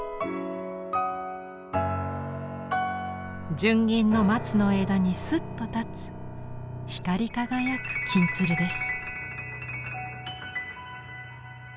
純銀の松の枝にスッと立つ光り輝く「金鶴」です。